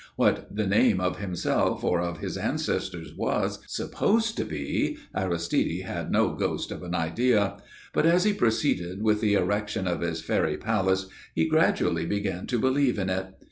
What the name of himself or of his ancestors was supposed to be Aristide had no ghost of an idea. But as he proceeded with the erection of his airy palace he gradually began to believe in it.